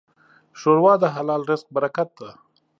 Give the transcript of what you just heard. ښوروا د حلال رزق برکت ده.